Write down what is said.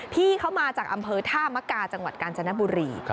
ที่เขามาจากอำเภอท่ามกาจังหวัดกาญจนบุรี